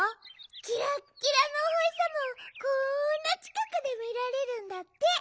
きらっきらのおほしさまをこんなちかくでみられるんだって。